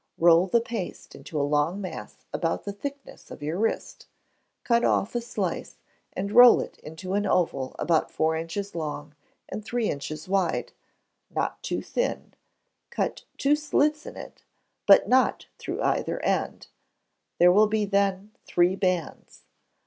Roll the paste into a long mass about the thickness of your wrist; cut off a slice and roll it into an oval, about four inches long and three inches wide, not too thin; cut two slits in it, but not through either end, there will then be three bands.